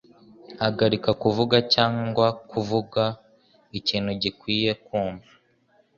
Hagarika kuvuga cyangwa kuvuga ikintu gikwiye kumva